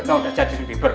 tau gak justin bieber